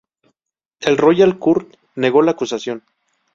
El Royal Court negó la acusación.